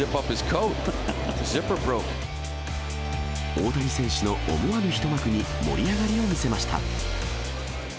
大谷選手の思わぬ一幕に盛り上がりを見せました。